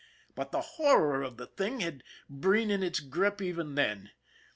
But the horror of the thing had Breen in its grip even then.